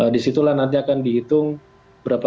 di situlah nanti akan dihitung berapa besar kerugian